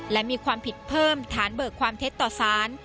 และมีความผิดเพิ่มฐานเบิกความเท็จต่อสาร